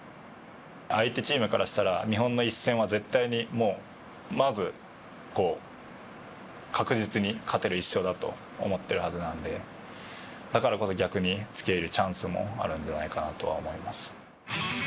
相手チームからしたら日本の１戦は絶対にもうまず確実に勝てる１勝だと思ってるはずなんでだからこそ逆に付け入るチャンスもあるんじゃないかなとは思います。